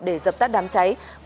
để dập tắt đám cháy